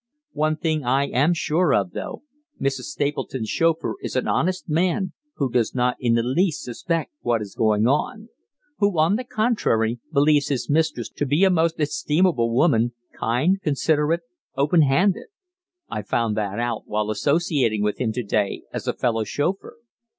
One thing I am sure of, though Mrs. Stapleton's chauffeur is an honest man who does not in the least suspect what is going on; who, on the contrary, believes his mistress to be a most estimable woman, kind, considerate, open handed. I found that out while associating with him to day as a fellow chauffeur."